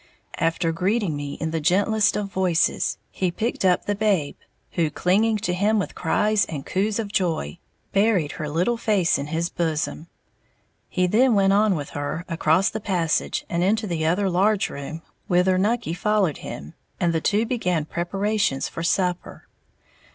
After greeting me in the gentlest of voices, he picked up the babe, who, clinging to him with cries and coos of joy, buried her little face in his bosom. He then went on with her across the passage and into the other large room, whither Nucky followed him, and the two began preparations for supper.